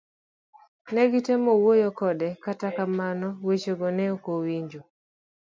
Negitemo wuoyo kode kata kamano wechego ne okowinjo.